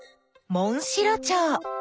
モンシロチョウ。